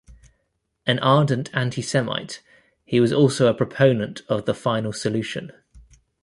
An ardent anti-Semite, he was also a proponent of the Final Solution.